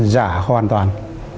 giả hoàn toàn